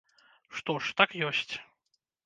Што ж, так ёсць.